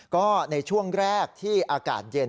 ก็ในช่วงแรกที่อากาศเย็น